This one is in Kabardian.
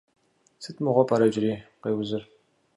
Сыт мыгъуэу пӏэрэ иджыри къеузыр?